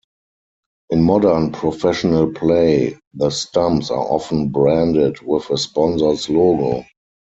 In modern professional play, the stumps are often branded with a sponsor's logo.